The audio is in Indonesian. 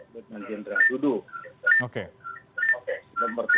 lutman jendral tni tuduh itu